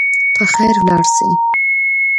په خیر ولاړ سئ.